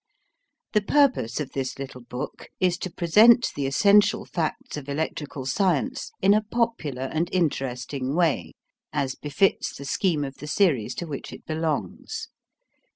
The purpose of this little book is to present the essential facts of electrical science in a popular and interesting way, as befits the scheme of the series to which it belongs.